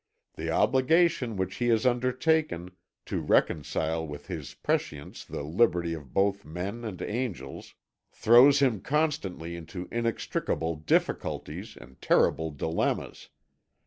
The obligation which he has undertaken, to reconcile with his prescience the liberty of both men and angels, throws him constantly into inextricable difficulties and terrible dilemmas.